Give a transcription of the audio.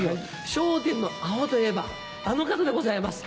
『笑点』のアホといえばあの方でございます。